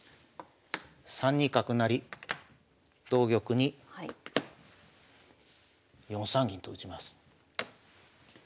３二角成同玉に４三銀と打ちます。